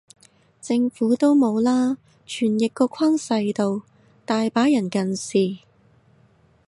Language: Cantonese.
政府都冇啦，傳譯個框細到，大把人近視